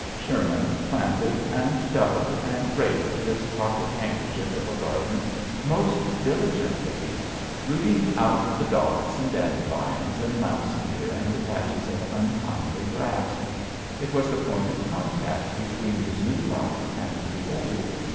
Sherman planted and dug and raked this pocket handkerchiel of a garden most diligently, root JOHN SHERMAN. 71 .ng out the docks and dande .ions and mouse ear and the patches of untimely grass. It was the point of contact between his new life and the old.